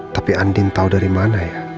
tapi andin tahu dari mana ya